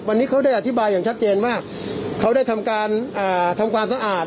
วันนี้เขาได้อธิบายอย่างชัดเจนมากเขาได้ทำการสะอาด